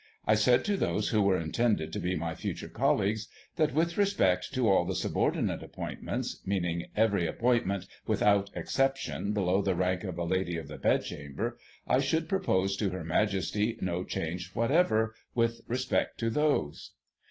I said to those who were intended to be my future colleagues, that, with respect to all the subordinate appointments — meaning every appointment, without exception, below the rank of a Lady of the Bedchamber — I should propose to Her Majesty no change whatever with respect to those.